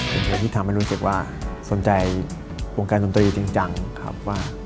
เป็นเพลงที่ทำให้รู้สึกว่าสนใจวงการดนตรีจริงจังครับว่า